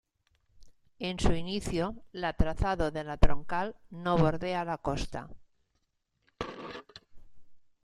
En su inicio, la trazado de la troncal no bordea la costa.